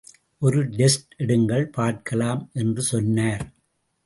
ஒரு டெஸ்ட் எடுங்கள் பார்க்கலாம் என்று சொன்னார்.